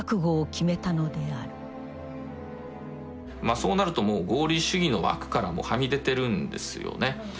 そうなるともう合理主義の枠からもはみ出てるんですよね。